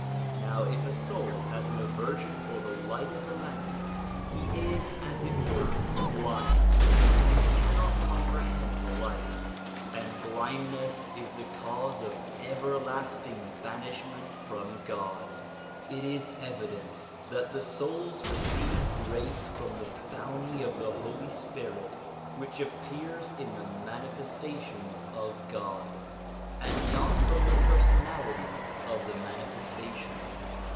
Now if a soul has an aversion for the light of the lamp, he is, as it were, blind, and cannot compre hend the light; and blindness is the cause of ever lasting banishment from God. It is evident that the souls receive grace from the bounty of the Holy Spirit which appears in the Mani festations of God, and not from the personality of the Manifestation.